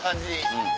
うん。